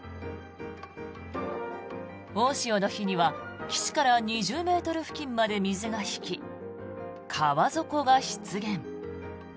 大潮の日には岸から２０ｍ付近まで水が引き川底が出現。